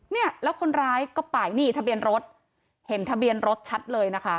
เนี่ยแล้วคนร้ายก็ไปนี่ทะเบียนรถเห็นทะเบียนรถชัดเลยนะคะ